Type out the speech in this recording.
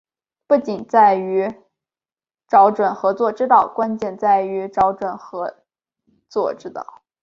不仅在于找准合作之道，关键在于找准了合作之道